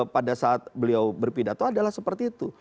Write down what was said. pada saat beliau berpidato adalah seperti itu